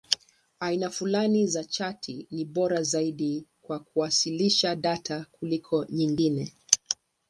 Aina fulani za chati ni bora zaidi kwa kuwasilisha data kuliko nyingine.